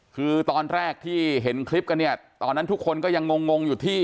คือตอนแรกที่เห็นคลิปกันเนี่ยตอนนั้นทุกคนก็ยังงงอยู่ที่